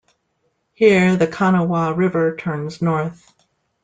Here, the Kanawha River turns north.